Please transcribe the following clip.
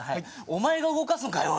お前が動かすんかよ